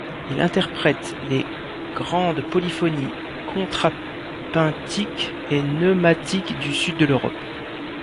Ils interprètent les grandes polyphonies contrapuntiques et neumatiques du Sud de l'Europe.